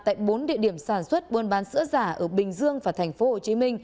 tại bốn địa điểm sản xuất buôn bán sữa giả ở bình dương và tp hcm